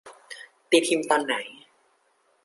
ตีพิมพ์ตอนไหน